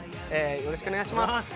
よろしくお願いします。